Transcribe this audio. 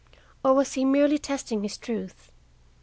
Or was he merely testing his truth?